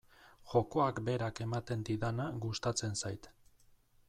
Jokoak berak ematen didana gustatzen zait.